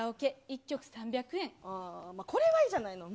これはいいじゃないの。